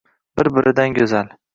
Bir-biridan go‘zal.